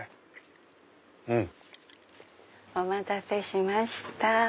お待たせしました。